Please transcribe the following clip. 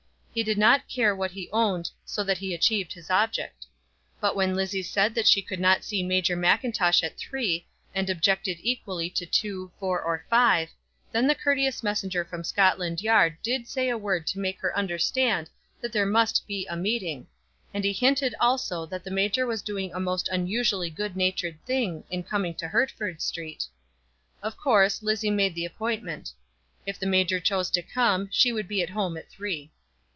He did not care what he owned so that he achieved his object. But when Lizzie said that she could not see Major Mackintosh at three, and objected equally to two, four, or five; then the courteous messenger from Scotland Yard did say a word to make her understand that there must be a meeting, and he hinted also that the major was doing a most unusually good natured thing in coming to Hertford Street. Of course, Lizzie made the appointment. If the major chose to come, she would be at home at three.